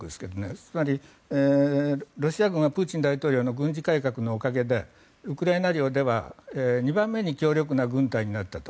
つまりロシア軍はプーチン大統領の軍事改革のおかげでウクライナ領では２番目に強力な軍隊になったと。